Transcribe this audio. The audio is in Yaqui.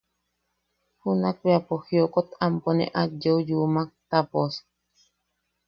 Junakbea pos jiokot ampo ne aet yeuyumak ta pos...